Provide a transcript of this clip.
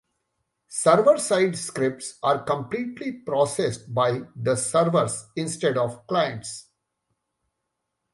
Server-side scripts are completely processed by the servers instead of clients.